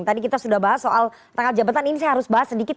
tadi kita sudah bahas soal tanggal jabatan ini saya harus bahas sedikit